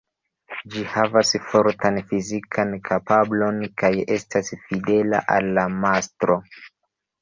Ĝi havas fortan fizikan kapablon kaj estas fidela al la mastro.